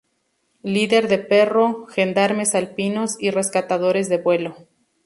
Líder de perro, gendarmes alpinos y rescatadores de vuelo.